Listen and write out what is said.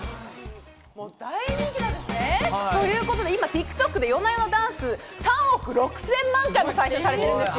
大人気なんですよね。ということで今、ＴｉｋＴｏｋで『ＹＯＮＡＹＯＮＡＤＡＮＣＥ』３億６０００万回も再生されてるんですよ。